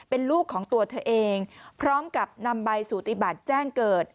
เป็นลูกของตัวเธอเองพร้อมกับนำใบสูติบัติแจ้งเกิด